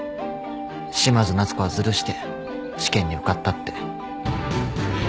嶋津奈都子はずるして試験に受かったって